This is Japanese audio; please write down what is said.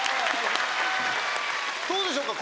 どうでしょうか？